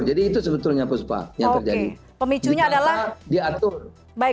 jadi itu sebetulnya apa supa yang terjadi